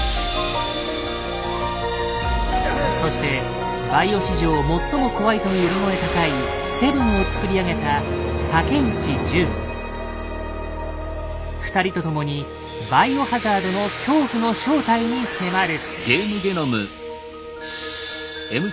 そしてバイオ史上最も怖いと呼び声高い「７」を作り上げた２人と共に「バイオハザード」の恐怖の正体に迫る。